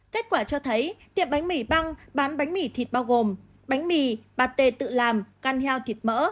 kết quả cho thấy tiệm bánh mì băng bán bánh mì thịt bao gồm bánh mì bạt tê tự làm căn heo thịt mỡ